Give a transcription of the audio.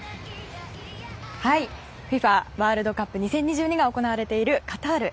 ワールドカップ２０２２が行われているカタール。